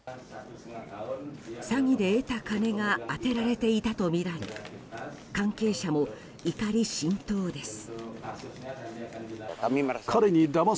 詐欺で得た金が充てられていたとみられ関係者も怒り心頭です。